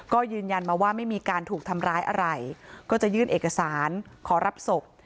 ก็ยืนยันมาว่าไม่มีการถูกทำร้ายอะไรก็จะยื่นเอกสารขอรับศพ